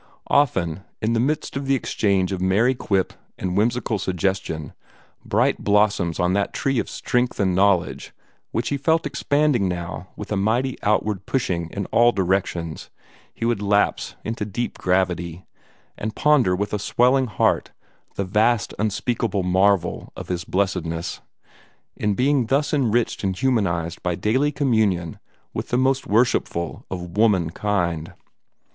Often, in the midst of the exchange of merry quip and whimsical suggestion, bright blossoms on that tree of strength and knowledge which he felt expanding now with a mighty outward pushing in all directions, he would lapse into deep gravity, and ponder with a swelling heart the vast unspeakable marvel of his blessedness, in being thus enriched and humanized by daily communion with the most worshipful of womankind.